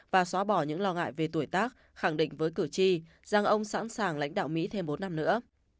và xóa bỏ những lo ngại về tuổi tác khẳng định với cử tri rằng ông sẵn sàng lãnh đạo mỹ thêm bốn năm nữa